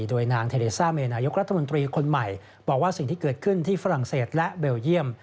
โดยนางเทเลซ่าเมนายกรัฐมนตรีคนใหม่บอกว่าสิ่งที่เกิดขึ้นที่ฝรั่งเศสและเบลเยี่ยม